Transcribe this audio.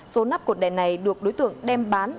số nắp cột đèn này được đối tượng đem bán